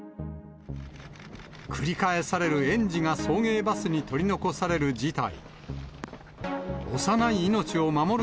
繰り返される園児が送迎バスに取り残される事態。